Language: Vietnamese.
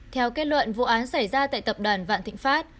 theo kết luận vụ án xảy ra tại tập đoàn vạn thịnh pháp